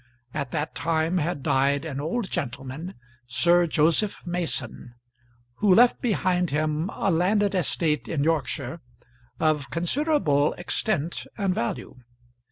At that time had died an old gentleman, Sir Joseph Mason, who left behind him a landed estate in Yorkshire of considerable extent and value.